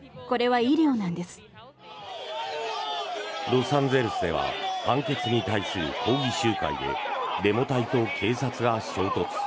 ロサンゼルスでは判決に対する抗議集会でデモ隊と警察が衝突。